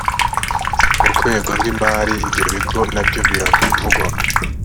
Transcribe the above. murwego rw imari ibyo bigo na byo biravugwa